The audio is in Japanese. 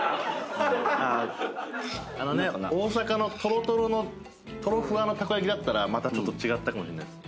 あのね大阪のとろとろのとろふわのたこ焼きだったらまた違ったかもしんないですね。